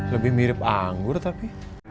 lebih mirip anggur tapi